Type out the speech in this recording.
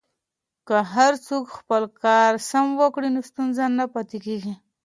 که هر څوک خپل کار سم وکړي نو ستونزه نه پاتې کیږي.